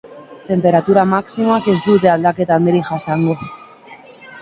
Tenperatura maximoak ez dute aldaketa handirik jasango.